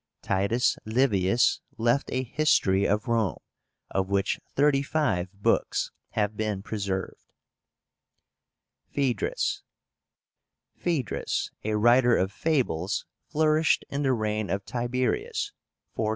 TITUS LIVIUS left a history of Rome, of which thirty five books have been preserved. (See page 181.) PHAEDRUS. PHAEDRUS, a writer of fables, flourished in the reign of Tiberius (14 37).